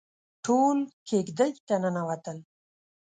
ټول کېږدۍ ته ننوتل.